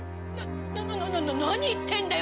ななな何言ってんだよ